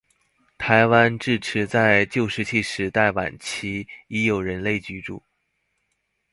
台湾至迟在旧石器时代晚期已有人类居住。